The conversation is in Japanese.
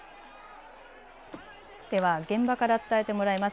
では現場から伝えてもらいます。